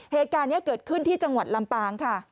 เหตุการณ์นี้เกิดขึ้นที่จังหวัดลำปางค่ะ